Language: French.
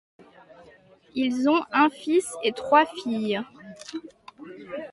Ils ont un fils et trois filles.